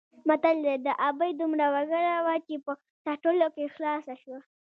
متل دی: د ابۍ دومره وګره وه چې په څټلو کې خلاصه شوه.